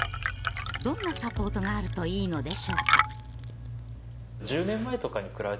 どんなサポートがあるといいのでしょうか。